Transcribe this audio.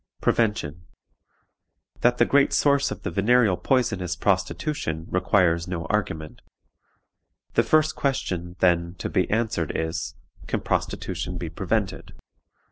"PREVENTION. "That the great source of the venereal poison is prostitution, requires no argument. The first question, then, to be answered, is, Can prostitution be prevented?